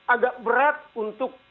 agak berat untuk